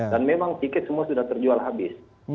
dan memang tiket semua sudah terjual habis